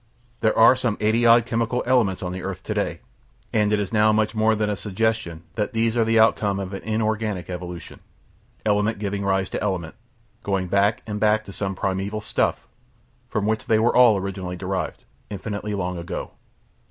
There are some eighty odd chemical elements on the earth to day, and it is now much more than a suggestion that these are the outcome of an inorganic evolution, element giving rise to element, going back and back to some primeval stuff, from which they were all originally derived, infinitely long ago.